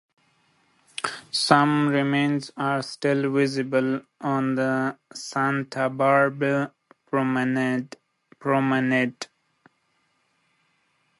Some remains are still visible on the Santa-Barbe promenade.